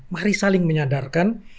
mari saling menyadarkan